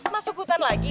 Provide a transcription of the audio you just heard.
masuk hutan lagi lo kira